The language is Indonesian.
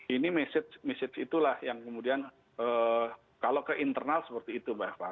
ini mesej itulah yang kemudian kalau ke internal seperti itu mbak eva